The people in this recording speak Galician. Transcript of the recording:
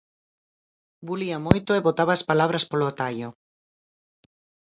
Bulía moito e botaba as palabras polo atallo.